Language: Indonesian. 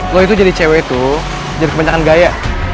lo itu jadi cewek itu jadi kebanyakan gaya